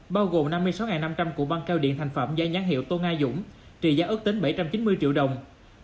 bao gồm năm mươi sáu năm trăm linh cụ băng cao điện thành phẩm giá nhãn hiệu tô nga dũng trị giá ước tính bảy trăm chín mươi triệu đồng